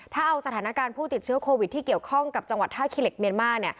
ถ้าเอาสถานการณ์ผู้ติดเชื้อโควิดที่เกี่ยวข้องกับจังหวัดท่าขี้เหล็กเมียนมาร์